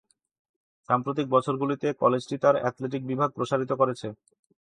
সাম্প্রতিক বছরগুলিতে, কলেজটি তার অ্যাথলেটিক বিভাগ প্রসারিত করেছে।